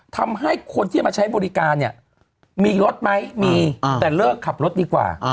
ทำให้คนที่จะมาใช้บริการเนี่ยมีรถไหมมีแต่เลิกขับรถดีกว่า